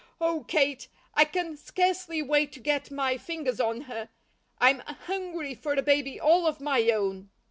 Oh, Kate, I can scarcely wait to get my fingers on her. I'm hungry for a baby all of my own."